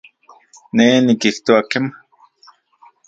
Ne nikijtoa kema